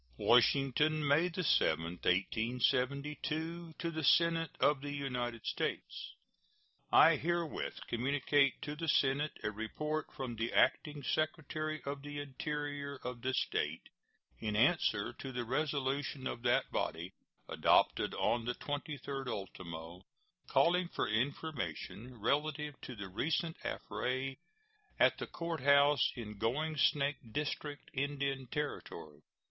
WASHINGTON, May 7, 1872. To the Senate of the United States: I herewith communicate to the Senate a report from the Acting Secretary of the Interior of this date, in answer to the resolution of that body adopted on the 23d ultimo, calling for information relative to the recent affray at the court house in Going Snake district, Indian Territory.